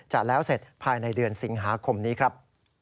จะแล้วเสร็จภายในเดือนสิงหาคมนี้ครับ